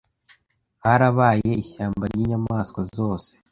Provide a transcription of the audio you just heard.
harabaye ishyamba ry' inyamaswa zose